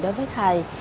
đối với thầy